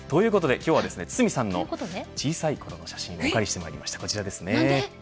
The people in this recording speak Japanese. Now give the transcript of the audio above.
今日は堤さんの小さいころの写真をお借りしてきました。